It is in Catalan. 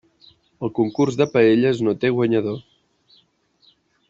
El concurs de paelles no té guanyador.